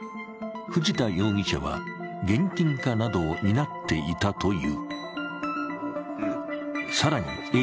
藤田容疑者は現金化などを担っていたという。